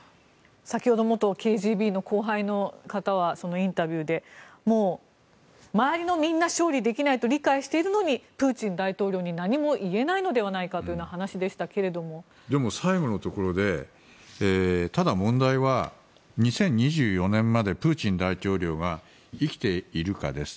先ほど元ＫＧＢの後輩の方はインタビューで周りのみんな勝利できないと理解しているのにプーチン大統領に何も言えないのではないかというでも、最後のところでただ問題は、２０２４年までプーチン大統領が生きているかです。